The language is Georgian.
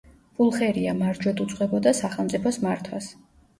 პულხერია მარჯვედ უძღვებოდა სახელმწიფოს მართვას.